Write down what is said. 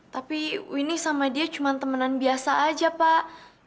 tapi winnie sama dia cuma temenan biasa aja pak